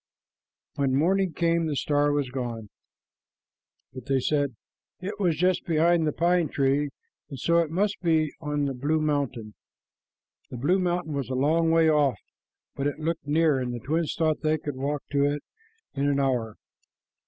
When morning came, the star was gone, but they said, "It was just behind the pine tree, and so it must be on the blue mountain." The blue mountain was a long way off, but it looked near, and the twins thought they could walk to it in an hour.